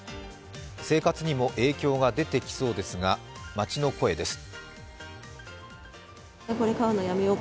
生活にも影響が出てきそうですが、街の声です。